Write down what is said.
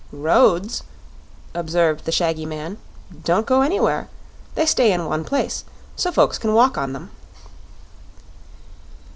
"Roads," observed the shaggy man, "don't go anywhere. They stay in one place, so folks can walk on them."